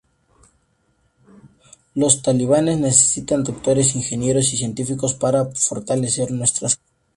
Los talibanes necesitan doctores, ingenieros y científicos para fortalecer nuestra causa.